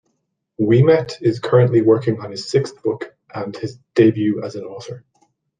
Ouimet is currently working on his sixth book, and his debut as an author.